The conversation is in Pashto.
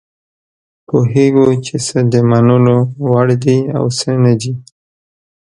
پوهیږو چې څه د منلو وړ دي او څه نه دي.